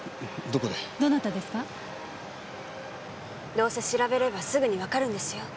どうせ調べればすぐにわかるんですよ。